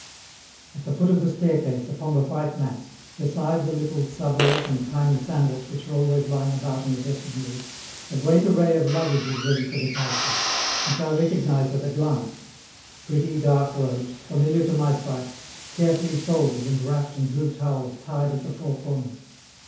At the foot of the staircase, upon the white mats, beside the little sabots and tiny sandals which are always lying about in the vestibule, a great array of luggage is ready for departure, which I recognize at a glance pretty, dark robes, familiar to my sight, carefully folded and wrapped in blue towels tied at the four corners.